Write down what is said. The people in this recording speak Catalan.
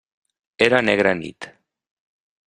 Era negra nit.